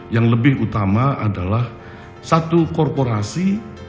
yang lebih utama adalah satu korporasi